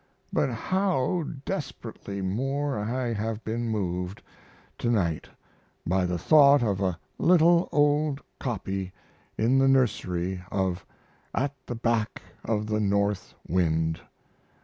But how, desperately more I have been moved to night by the thought of a little old copy in the nursery of 'At the Back of the North Wind'.